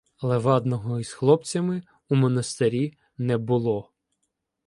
Левадного із хлопцями у монастирі не було.